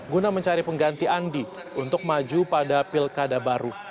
guna mencari pengganti andi untuk maju pada pilkada baru